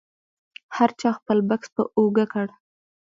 هر چا خپل بکس په اوږه کړ.